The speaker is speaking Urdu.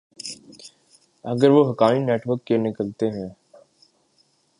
اگر وہ حقانی نیٹ ورک کے نکلتے ہیں۔